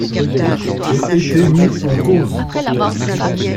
J’ai été mis en cause.